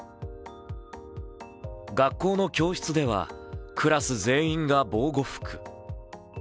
学校の教室ではクラス全員が防護服。